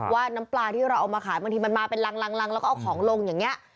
ว่าน้ำปลาที่เราเอามาขายบางทีมันมาเป็นรังแล้วก็เอาของลงอย่างนี้